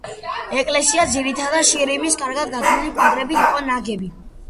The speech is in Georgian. ეკლესია ძირითადად შირიმის კარგად გათლილი კვადრებით იყო ნაგები.